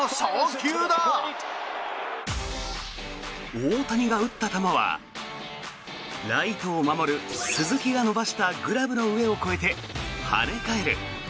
大谷が打った球はライトを守る鈴木が伸ばしたグラブの上を越えて跳ね返る。